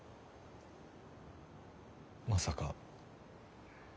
まさか。